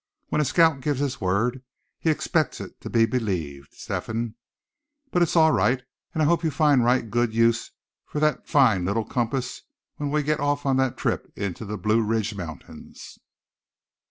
When a scout gives his word, he expects it to be believed, Step hen. But it's all right; and I hope you find right good use for that fine little compass when we get off on that trip into the Blue Ridge mountains."